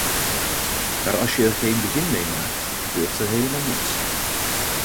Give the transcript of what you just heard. Maar als je er geen begin mee maakt, gebeurt er helemaal niets.